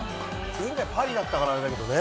前回、パリだったからあれなんだけどね。